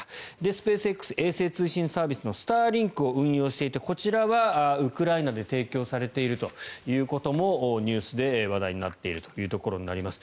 スペースＸ、衛星通信サービスのスターリンクを運用していてこちらはウクライナで提供されているということもニュースで話題になっているというところになります。